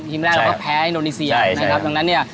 ก็แพ้ทีมแนลนิเซียนะครับตรงนั้นเนี่ย